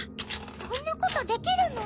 そんなことできるの？